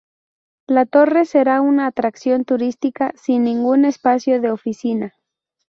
La torre será una atracción turística sin ningún espacio de oficina.